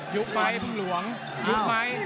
ยุบไหมพึ่งหลวงยุบไหม